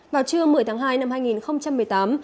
vào trưa một mươi tháng hai năm hai nghìn một mươi tám